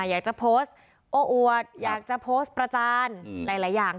อยากจะโพสต์โอ้อวดอยากจะโพสต์ประจานหลายอย่าง